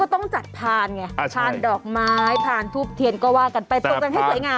ต้องจัดพานไงพานดอกไม้พานทูบเทียนก็ว่ากันไปตรงกันให้สวยงาม